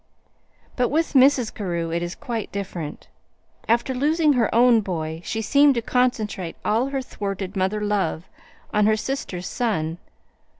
"But with Mrs. Carew it is quite different. After losing her own boy, she seemed to concentrate all her thwarted mother love on her sister's son.